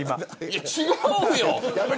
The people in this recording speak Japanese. いや違うよ。